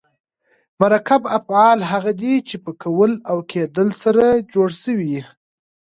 مرکب افعال هغه دي، چي په کول او کېدل سره جوړ سوي یي.